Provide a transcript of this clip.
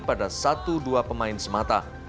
pada satu dua pemain semata